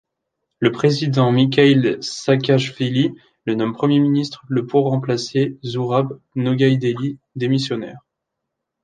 Le président Mikheil Saakachvili le nomme Premier ministre le pour remplacer Zourab Noghaïdeli, démissionnaire.